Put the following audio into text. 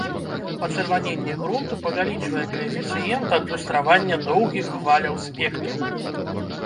Пачырваненне грунту павялічвае каэфіцыент адлюстравання доўгіх хваляў спектру.